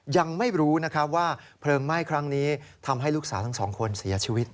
ยังไม่รู้นะครับว่าเพลิงไหม้ครั้งนี้ทำให้ลูกสาวทั้งสองคนเสียชีวิต